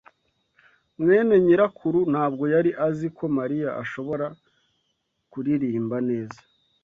mwene nyirakuru ntabwo yari azi ko Mariya ashobora kuririmba neza.